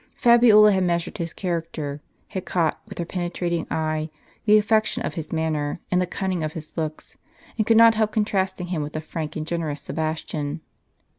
Fabiola had measured his character; had caught, with her penetrating eye, the affectation of his manner, and the cunning of his looks ; and could not help contrasting him with the frank and generous Sebastian.